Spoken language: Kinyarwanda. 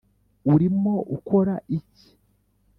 urimo ukora iki?